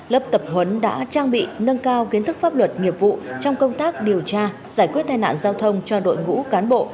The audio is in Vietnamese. lớp tập huấn đã trang bị nâng cao kiến thức pháp luật nghiệp vụ trong công tác điều tra giải quyết tai nạn giao thông cho đội ngũ cán bộ